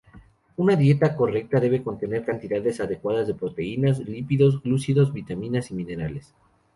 Una dieta correcta debe contener cantidades adecuadas de proteínas, lípidos, glúcidos, vitaminas y minerales.